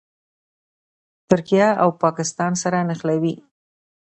ترکیه او پاکستان سره نښلوي.